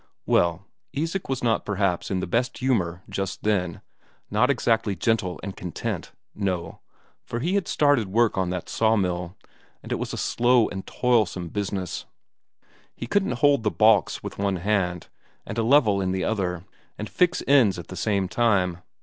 Well, Isak was not perhaps in the best of humour just then, not exactly gentle and content, no, for he had started work on that sawmill, and it was a slow and toilsome business; he couldn't hold the baulks with one hand, and a level in the other, and fix ends at the same time.